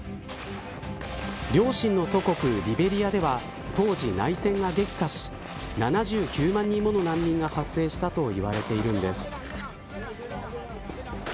両親の祖国リベリアでは当時、内戦が激化し７９万人もの難民が発生したといわれています。